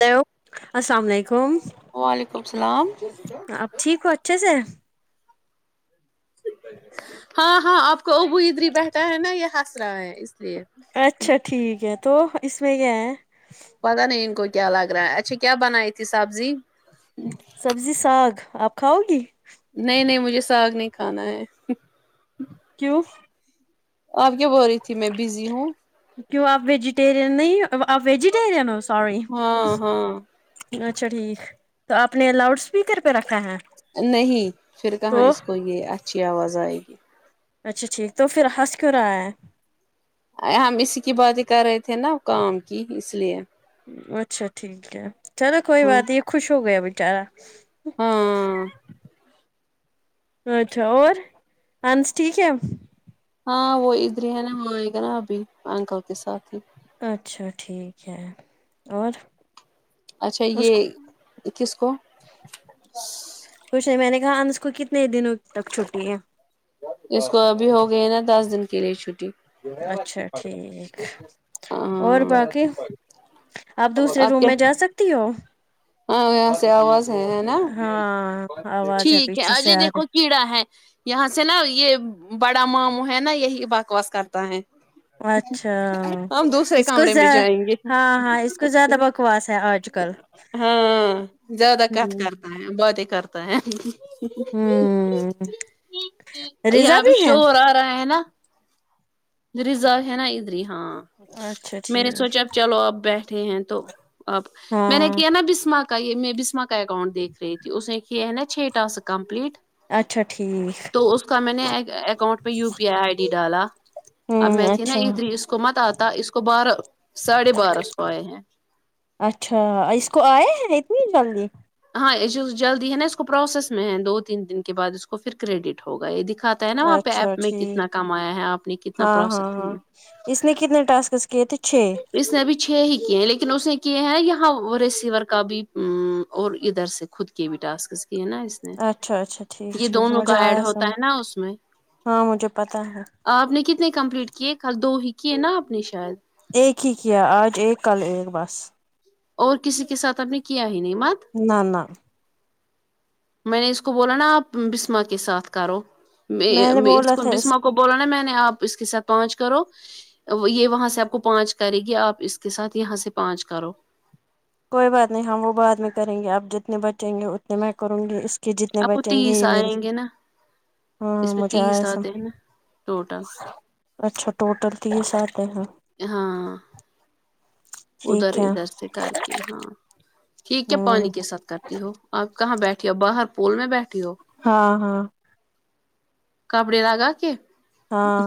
hello السلام علیکم وعلیکم السلام اب ٹھیک ہو اچھے سے ہاں ہاں آپ کو ابو ادھر ہی بیٹھا ہے نا یہ ہنس رہا ہے اس لیے اچھا ٹھیک ہے تو اس میں کیا ہے پتا نہیں ان کو کیا لگ رہا ہے اچھا کیا بنائی تھی سبزی سبزی ساگ آپ کھاؤ گی نہیں نہیں مجھے ساگ نہیں کھانا ہے کیوں آپ کیوں بول رہی تھی میں بزی ہوں کیوں آپ ویجیٹیرین نہیں آپ ویجیٹیرین ہو سوری ہاں ہاں اچھا ٹھیک تو آپ نے لاؤڈ اسپیکر پہ رکھا ہے نہیں پھر کہاں تو اس کو یہ اچھی آواز آئے گی اچھا ٹھیک تو پھر ہنس کیوں رہا ہے ہم اسی کی بات ہی کر رہے تھے نا کام کی اس لیے اچھا ٹھیک ہے چلو کوئی ہاں بات نہیں خوش ہو گیا بیچارا ہاں اچھا اور انس ٹھیک ہے اب ہاں وہ ادھر ہی ہے نا وہاں آئے گا نا ابھی انکل کے ساتھ ہی اچھا ٹھیک ہے اور اچھا اس یہ کو کس کو کچھ نہیں میں نے کہا انس کو کتنے دنوں تک چھٹی ہے اس کو ابھی ہو گئے ہے نا دس دن کے لیے چھٹی اچھا ٹھیک اور آں باقی آپ دوسرے روم میں جا سکتی ہو ہاں یہاں سے آواز ہے ہے نا ہاں آواز ٹھیک ہے پیچھے سے اجے آ دیکھو کیڑا ہے یہاں سے نا یہ بڑا ماموں ہے نا یہی بکواس کرتا ہے اچھا ہم دوسرے اس کو کمرے زا میں جائیں گے ہاں ہاں اس کو زیادہ بکواس ہے آج کل ہاں زیادہ کٹ ہوں کرتا ہے باتیں کرتا ہے ہوں رضا یہاں پہ بھی ہے شور آ رہا ہے نا ریزرو ہے نا ادھر ہی ہاں اچھا میں نے ٹھیک سوچا اب چلو آپ بیٹھے ہیں تو اب میں نے ہاں کیا نا بسما کا یہ میں بسما کا اکاؤنٹ دیکھ رہی تھی اس نے کیا ہے نا چھ ٹاسک کمپلیٹ اچھا ٹھیک تو اس کا میں نے اکاؤنٹ پہ U P I I D ڈالا اب ہوں میں تھی نا اچھا ادھر اس کو مت آتا اس کو بارہ ساڑھے بارہ سو آئے ہیں اچھا اس کو آئے ہیں اتنی جلدی ہاں یہ جو جلدی ہے نا اس کو پروسیس میں ہے دو تین دن کے بعد اس کو پھر کریڈٹ ہوگا یہ دکھا اچھا ٹھیک آپ نے کتنا ہاں ہاں پروسیسنگ ہاں میں اس نے کتنے ٹاسکس کیے تھے چھ اس نے ابھی چھ ہی کیے ہیں لیکن اس نے کی ہیں یہاں ریسیور کا بھی ا اور ادھر سے خود کے بھی ٹاسکس کی ہیں نا اس نے اچھا اچھا ٹھیک یہ ٹھیک دونوں مجھے کا ایڈ ہوتا ہے نا اس میں جو پتہ ہے آپ نے کتنے کمپلیٹ کیے کل دو ہی کیے نا آپ نے شاید ایک ہی کیا آج ایک کل ایک بس اور کسی کے ساتھ ہم نے کیا ہی نہیں مات نہ نہ میں نے اس کو بولا نا آپ بسما کے ساتھ کرو میں نے میں اس بولا کو تھا بسما کو بولا نا میں نے آپ اس کے ساتھ پانچ کرو یہ وہاں سے آپ کو پانچ کرے گی آپ اس کے ساتھ یہاں سے پانچ کرو کوئی بات نہیں ہم وہ بعد میں کریں گے اب جتنے بچیں گے اتنے میں کروں گی اس کہ جتنے آپ کو بچیں گے تیس یہ میرے آئیں گے نا ہاں اس میں مجھے آیا تیس سم آتے ہیں نا ٹوٹل اچھا ٹوٹل تیس آتے ہیں ہاں ادھر ٹھیک ہے ادھر سے کر کے ہاں ٹھیک کیا پانی ہوں کی ساتھ کرتی ہو آپ کہاں بیٹھی ہو باہر پول میں بیٹھی ہو ہاں ہاں کپڑے لگا کے ہاں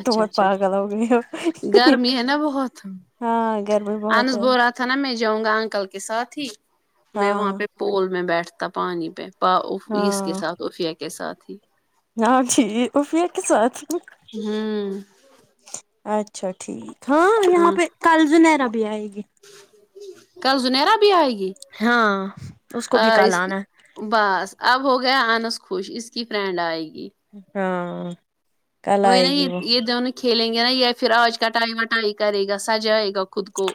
اچھا تومت اچھا پاگل ہوگیی ہو گرمی ہے نا بہت ہاں گرمی بہت انس ہے بول رہا تھا نا میں جاؤں گا انکل کے ساتھ ہی میں ہاں وہاں پہ پول میں بیٹھتا پانی پہ پا اف اس کے ہاں ساتھ افیہ کے ساتھ ہی ہاں ٹھیک افیہ کی سات ہی ہوں اچھا ٹھیک ہاں یہاں ہوں پہ کل زنیرا بھی آئے گی کل زنیرہ بھی آئے گی ہاں اس کو بھی کل اس آنا بس اب ہو گیا آنس خوش اس کی فرینڈ آئے گی ہاں کل وہی آئے نا گی یہ وہ یہ دونوں کھیلیں گے نا یہ پھر آج کٹائی وٹائی کرے گا سجائے گا خود کو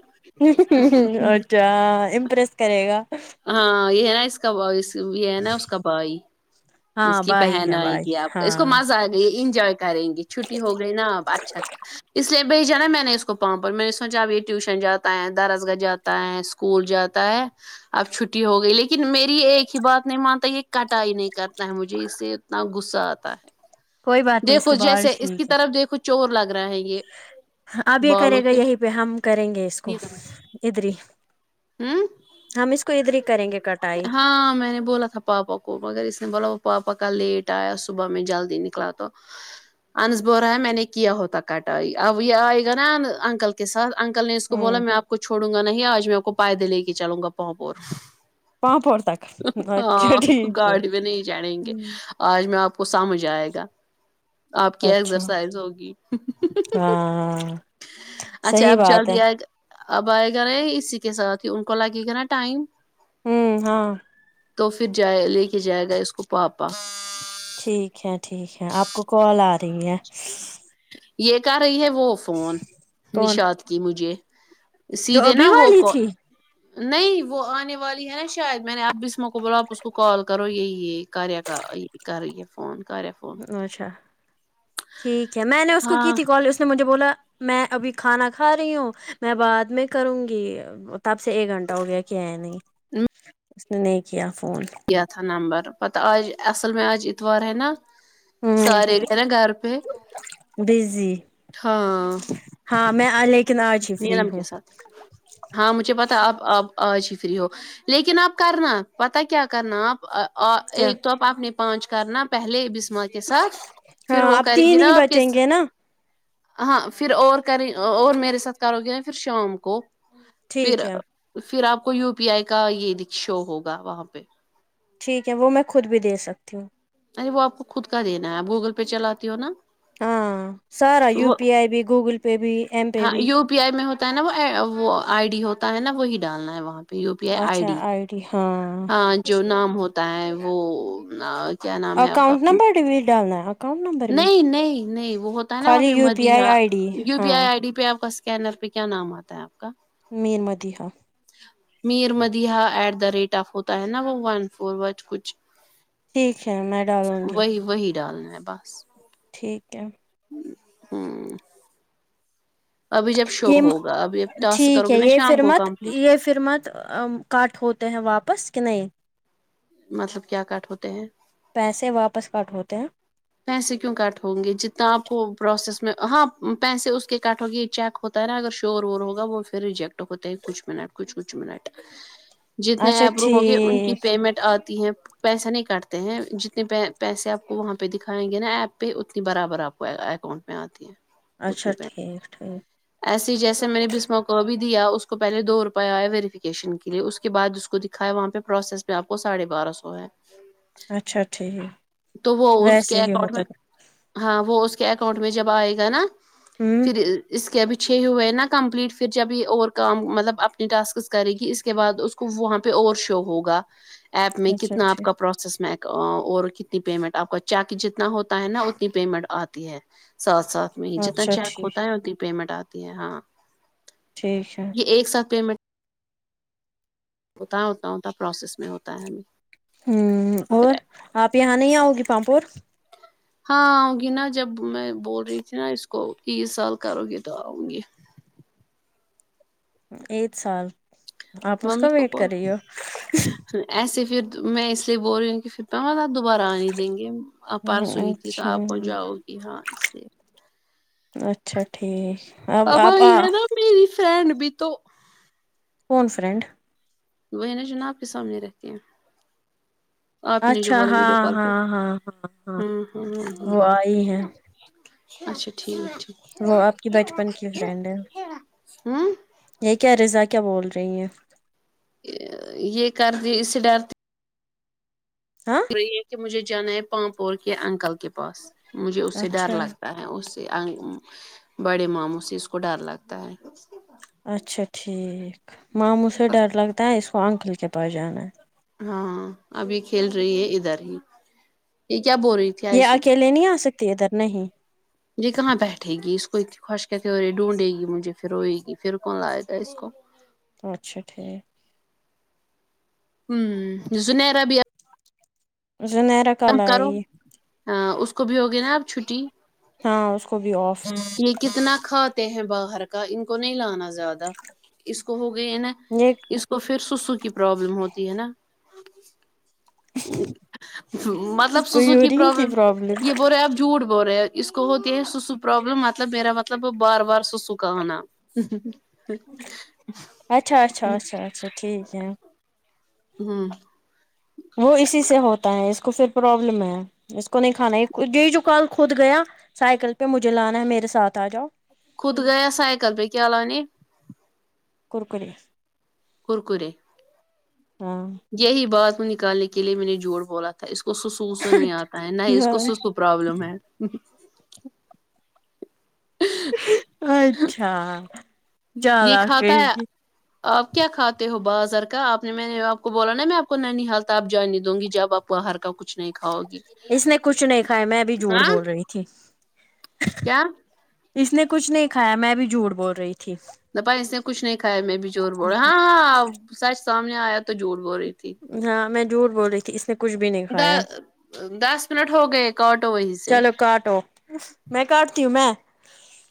اچھا ہاں امپرس کرے گا ہاں یہ ہے نا اس کا بائس یہ ہے نا اس کا بھائی اس ہاں کی بھائی بہن ہے آئے بھائی گی آپ کا اس کو ہاں مزہ آ گئی انجوائے کریں گی چھٹی ہو گئی نا اب اچھا اس لیے بھیجا نا میں نے اس کو پا پر میں نے سوچا اب یہ ٹیوشن جاتا ہے در اس گاہ جات تا ہے اسکول جاتا ہے اب چھٹی ہوگئی لیکن میری ایک ہی بات نہیں مانتا یہ کٹائی نہیں کر تا ہے مجھے اس سے اتنا غصہ آتا ہے کوئی بات نہیں اس دیکھو کے بال جیسے اس کی ٹھیک ہے طرف دیکھو چور لگ رہا ہے یہ اب یہ بالوں کرے گا سے یہی پہ ہم کریں گے اس کو ادھر ہی ہوں ہم اس کو ادھر ہی کریں گے کٹائی ہاں میں نے بولا تھا پاپا کو مگر اس نے بولا وہ پاپا کا لیٹ آیا صبح میں جلدی نکلا تو انس بول رہا ہے میں نے کیا ہوتا کٹائی اب یہ آئے گا نا ان انکل کے ساتھ انکل نے اس کو بولا ہوں میں آپ کو چھوڑوں گا نہیں آج میں آپ کو پائدل لے کے چلوں گا پوں پور پاپور تک اچھا ہاں ٹھیک ہے گاڑی میں نہیں جڑینگے آج میں آپ کو سمجھ آئے گا اب کیا اچھا ایکسرسائز ہوگی ہاں اچھا صحیح آپ بات ہے جلدی آے تو اب آئے گا نا اسی کے ساتھ ان کو لگے گا نا ٹائم ہوں ہاں تو پھر جائے لے کے جائے گا اس کو پاپا ٹھیک ہے ٹھیک ہے آپ کو کال آ رہی ہے یہ کر رہی ہے وہ فون کون نشاط کی مجھے جو سیدھے ابھی نا وہ والی کو تھی نہیں وہ آنے والی ہے شاید میں نے اب بسما کو بولا آپ اس کو کال کرو یہی کاریہ کا کر را ہی ہے فون کرے فون اچھا ٹھیک ہے میں نے اس کو کی ہاں تھی کال اس نے مجھے بولا میں ابھی کھانا کھا رہی ہوں میں بعد میں کروں گی تب سے ایک گھنٹہ ہو گیا کیا نہیں اس نے نہیں کیا فون دیا تھا نمبر پتہ آج اصل میں آج اتوار نا ہوں سارے ہے نا گھر پہ بزی ہاں ہاں میں آ لیکن آج ہی فری نیلم ہوں کے ساتھ ہاں مجھے پتا اب آپ آج ہی فری ہو لیکن آپ کرنا پتا کیا کرنا آپ ا آ کیا ایک تو آپ اپنے پانچ کرنا پہلے بسما کے ساتھ پھر ہاں وہ اب کرے گی تین ہی نا آپ کے بچیں سا گے نا ہاں پھر اور کریں اور میرے ساتھ کرو گے پھر شام کو پھر ٹھیک ہے پھر آپ کو یو پی آئی کا یہ د شو ہوگا وہاں پہ ٹھیک ہے وہ میں خود بھی دے سکتی ہوں ارے وہ آپ کو خود کا دینا ہے آپ گوگل پے چلاتی ہو نا ہاں سارا یو وہ پی آئی بھی گوگل پے بھی ایم پے ہاں بھی یو پی آئی میں ہوتا ہے نا وہ وہ آئی ڈی ہوتا ہے نا وہی ڈالنا ہے وہاں U P I I D ہاں جو نام ہوتا ہے وہ آ اکؤنٹ نمبر ڈیٹیل ڈالنا ہے ک نہیں نہیں نہیں وہ ہوتا ہے نا وہاں خالی پہ U P I Madiha I D U P ہاں آئی آئی ڈی پہ آپ کا س کینر پہ کیا نام آتا ہے آپ کا Mir Madiha Mir Madiha at the rate of ہوتا ہے نا وہ ون فور وٹ کچھ ٹھیک ہے میں ڈالوں گی وہی وہی ڈالنا ہے بس ٹھیک ہے ہوں ابھی جب شو یہ م ہوگا ابھی اب ٹاسک ٹھیک کرو گے ہے نا یہ شام فر کو مت کمپلیٹ یہ ف ر مت کاٹ ہوتے ہیں واپس کہ نہیں مطلب کیا کٹ ہوتے ہیں پیسے واپس کٹ ہوتے ہیں پیسے کیوں کٹ ہوں گے جتنا آپ کو پروسیس میں ہاں پیسے اس کے کٹ ہوگی یہ چیک ہو ہوتا رہا اگر شور وور ہوگا وہ پھر ریجیکٹ ہوتے ہیں کچھ منٹ کچھ کچھ منٹ جتنے اچھا ایپرو ہوں گے ان کی ٹھیک پیمنٹ آتی ہیں پیسہ نہیں کاٹتے ہیں جتنے پیسے آپ کو وہاں پہ پہ دکھائیں گے نا ایپ پہ اتنی برابر آپ کو اکاؤنٹ میں آتی ہیں اچھا ٹھیک ٹھیک ایسے ہی جیسے میں نے بسم کا ابھی دیا اس کو پہلے دو روپئے آئے ویریفیکیشن کے لیے اس کے بعد اس کو کھا ہے وہاں پہ پروسیس میں آپ کو ساڑھے بارہ سو ہے اچھا اچھا ٹھیک تو وہ اس ویسے ہی اکاؤنٹ ہوتا میں ہاں وہ اس کے اکاؤنٹ میں جب آئے گا نا ہوں پھر اس کےبچ چھے ہوئے ہیں نا کمپلیٹ پھر جب یہ اور کام مطلب اپنی ٹاسکس کرے گی اس کے بعد اس کو وہاں پہ اور شو ہوگا ایپ میں اچھا کتنا آپ ٹھیک کا پروسیس میں اور کتنی پیمنٹ آپ کا جاکے جتنا ہوتا ہے نا اتنی پیمنٹ آتی ہے ساتھ ساتھ جتنا اچھا چیک ٹھیک ہوتا ہے اتنی پیمنٹ آتی ہے ہاں ٹھیک ہے یہ ایک ساتھ پیمنٹ ہوتا اتنا ہوتا پروسیس میں ہوتا ہے ہمیں امم پھر اور آپ یہاں نہیں آؤ گی پامپور ہاں آؤں گی نا جب میں بول رہی تھی نا اس کو کی یہ سال کرو گی تو آؤں گی ایک سال آپ اس ممی کا کو ویٹ بول کر رہی ہو ایسے پھر میں اس لیے بول رہی ہوں کہ پھر کہا نا دوبارہ آنے دیں گے آپ پاس ہوئی تھی تو اچھا آپ وہ جاؤ گی ہاں اس لیے اچھا ٹھیک اب آپ آ آئی ہے نا میری فرینڈ بھی تو کون فرینڈ [unintelligible] آپ ہی نے جو اچھا بولا ویڈیو ہاں کال پہ ہاں ہاں ہاں ہاں ہاں ہاں وہ آئی ہیں اچھا ٹھیک وہ آپ کی بچپن کی ہے فرینڈ ہاں یہ کیا رضا کیا بول رہی ہیں یہ کردی اسے ڈرتے ہاں یہ کہ مجھے جانا ہے پامپور کے انکل کے پاس مجھے اس سے ڈر اچھا لگتا آ اس سے انک بڑے ماموں سے اس کو ڈر لگتا ہے اچھا ٹھیک ماموں سے ڈر لگتا ہے اس کو انکل کے پاس جانا ہے ہاں ابھی یہ کھیل رہی ہے ادھر ہی یہ کیا بول رہی تھی یہ آئسم اکیلے نہیں آ سکتی ادھر نہیں یہی کہاں بیٹھے گی اس کو اتنی ہوش کیسے پھر یہ ڈھونڈے گی مجھے پھر روئے گی پھر کون لائے گا اس کو اچھا ٹھیک امم زنیرا بھی زنیرا کم کل آئے کرو گی ہاں اس کو بھی ہوگی نا اب چھٹی ہاں اس کو بھی آف ہے جی کتنا کھاتے ہیں باہر کا ان کو نہیں لانا زیادہ اس کو ہو گئی ہے نا یہ تو پھر سسو کی پروابلم ہوتی ہے نا مطلب اس کو سسو کی یورین پرابلم پرابلم یہ بول رہے آپ جھوٹ بول رہے ہے اس کو ہوتی یہ سسو پرابلم مطلب میرا مطلب بار بار سسو کہانا اچھا اچھا اچھا اچھا ٹھیک ہے ہاں وہ اسی سے ہوتا ہے اس کو پھر پرابلم ہے اس کو نہیں کھانا یہ دے جو کل خود گیا سائیکل پہ مجھے لانا ہے میرے ساتھ آ جاؤ خود گیا سائیکل پے کیا لانے کرکرے کرکرے ہاں یہی بات میں نکالنے کے لیے میں نے جھوٹ بولا تھا اس کو سسو وسو نہیں آتا ہے نہ اس کو سسو پرابلم ہے اچھا یہ چالاک کہے کھاتا ہے گی آپ کیا کھاتے ہو بازار کا آپ نے میں نے آپ کو بولا نا میں آپ کو ننیھال کا آپ جاننی دوں گی جب آپ باہر کا کچھ نہیں کھاؤ گی اس نے کچھ نہیں کھایا میں بھی جھوٹ ہاں بول رہی تھی کیا اس نے کچھ نہیں کھایا میں بھی جھوٹ بول رہی تھی دپائی اس نے کچھ نہیں کھایا میں بھی جھوٹ بول رہی ہاں ہاں سچ سامنے آیا تو جھوٹ بول رہی تھی ہاں میں جھوٹ بول رہی تھی اس نے کچھ بھی نہیں د کھایا دس منٹ ہو گئے کاٹو وہیں سے چلو کاٹو میں کاٹتی ہوں میں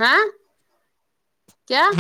ہاں کیا